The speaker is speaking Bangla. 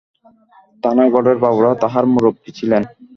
থানাগড়ের বাবুরা তাহার মুরুব্বি ছিলেন।